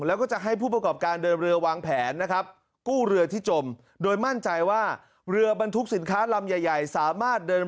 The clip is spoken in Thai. แล้วก็จะให้ผู้ประกอบการเดินเรือวางแผนนะครับกู้เรือที่จม